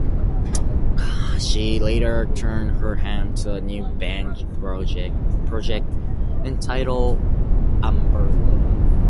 She later turned her hand to a new band project, entitled Amberlove.